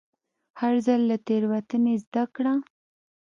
هر ځل له تېروتنې زده کړه.